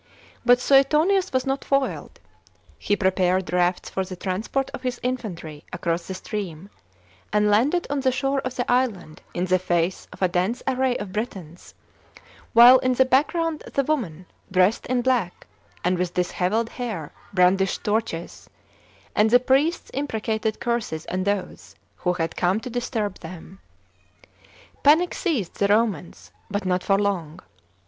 But Suetonius was not foiled. He prepared rafts for the transport of his infantry across the stream, and landed on the shore of th^ island in the face of a dense array of Britons, while in the background the women, dressed in black, and with dishevelled hair, brandished torches, and the priests imprecated curses on those who had come to disturb them. Panic seized the llomaus, but not for long.